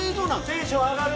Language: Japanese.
テンション上がる！